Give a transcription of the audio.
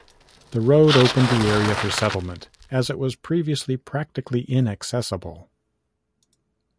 The road opened the area for settlement, as it was previously practically inaccessible.